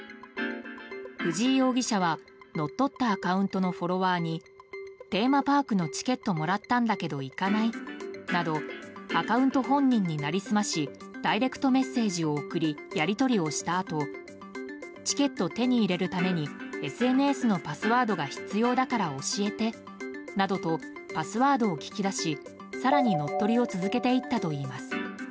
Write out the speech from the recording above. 藤井容疑者は、乗っ取ったアカウントのフォロワーにテーマパークのチケットもらったんだけど行かない？などアカウント本人に成り済ましダイレクトメッセージを送りやり取りをしたあとチケット手に入れるためにＳＮＳのパスワードが必要だから教えてなどとパスワードを聞き出し更に乗っ取りを続けていったといいます。